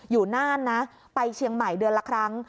น่านนะไปเชียงใหม่เดือนละครั้ง